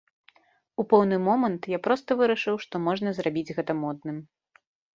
У пэўны момант я проста вырашыў, што можна зрабіць гэта модным.